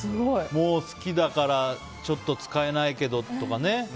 好きだからちょっと使えないけどとかね。